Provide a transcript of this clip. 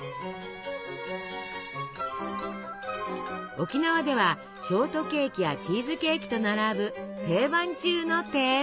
沖縄ではショートケーキやチーズケーキと並ぶ定番中の定番。